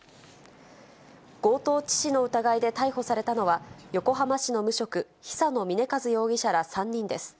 強盗致死の疑いで逮捕されたのは、横浜市の無職、久野峰一容疑者ら３人です。